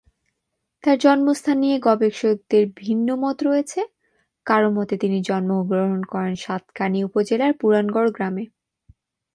তার জন্মস্থান নিয়ে গবেষকদের ভিন্নমত রয়েছে; কারো মতে, তিনি জন্মগ্রহণ করেন সাতকানিয়া উপজেলার পুরানগড় গ্রামে।